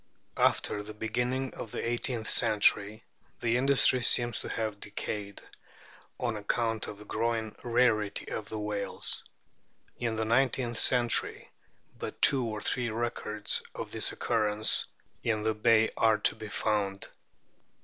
After the beginning of the eighteenth century the industry seems to have decayed, on account of the growing rarity of the whales. In the nineteenth century but two or three records of its occurrence in the Bay are to be found.